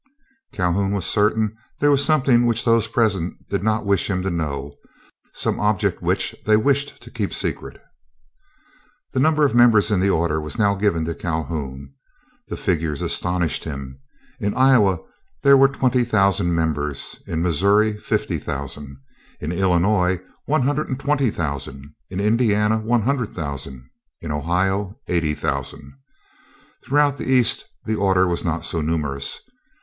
Calhoun was certain there was something which those present did not wish him to know—some object which they wished to keep secret. The number of members in the order was now given to Calhoun. The figures astounded him. In Iowa there were twenty thousand members, in Missouri fifty thousand, in Illinois one hundred and twenty thousand, in Indiana one hundred thousand, in Ohio eighty thousand. Throughout the East the order was not so numerous.